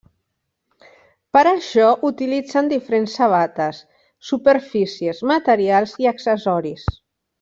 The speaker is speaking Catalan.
Per això utilitzen diferents sabates, superfícies, materials i accessoris.